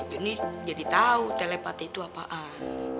jonny jadi tau telepati itu apaan